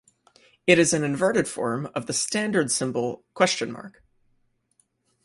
It is an inverted form of the standard symbol ?